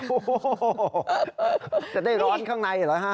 โอ้โหจะได้ร้อนข้างในเหรอฮะ